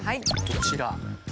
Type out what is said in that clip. こちら。